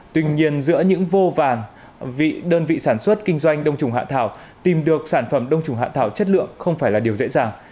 tuy nhiên giữa những vô vàng đơn vị sản xuất kinh doanh đông trùng hạ thảo tìm được sản phẩm đông trùng hạ thảo chất lượng không phải là điều dễ dàng